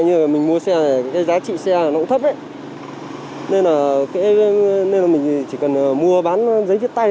như là mình mua xe này thì cái giá trị xe nó cũng thấp ấy nên là mình chỉ cần mua bán giấy viết tay